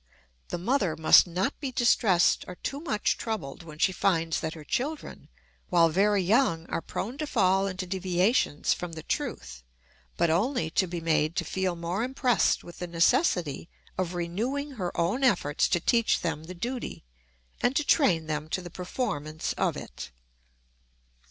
The mother must not be distressed or too much troubled when she finds that her children, while very young are prone to fall into deviations from the truth, but only to be made to feel more impressed with the necessity of renewing her own efforts to teach them the duty, and to train them to the performance of it.